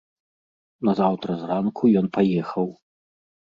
Назаўтра зранку ён паехаў.